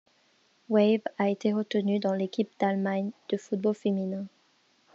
Weiß a été retenue dans l'équipe d'Allemagne de football féminin.